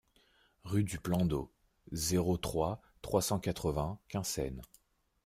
Rue du Plan d'Eau, zéro trois, trois cent quatre-vingts Quinssaines